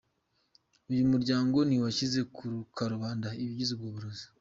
Uyu muryango ntiwashyize ku karubanda ibigize ubwo burozi.